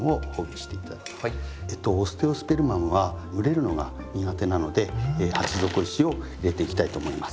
オステオスペルマムは蒸れるのが苦手なので鉢底石を入れていきたいと思います。